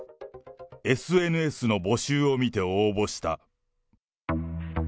ＳＮＳの募集を見て応募した。